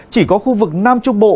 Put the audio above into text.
chỉ có khu vực nam trung bộ